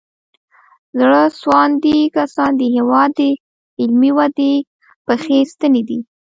زړه سواندي کسان د هېواد د علمي ودې پخې ستنې دي.